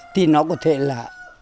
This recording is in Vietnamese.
thì nó có thể là